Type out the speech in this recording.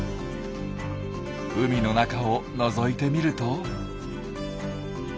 海の中をのぞいてみると。